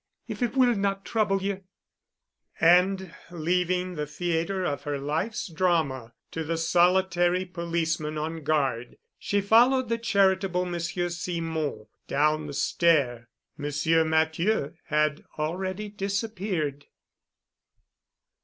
If it will not trouble you——" And leaving the theater of her life's drama to the solitary policeman on guard, she followed the charitable Monsieur Simon down the stair. Monsieur Matthieu had already disappeared.